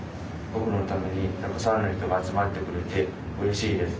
僕のためにたくさんの人が集まってくれてうれしいです。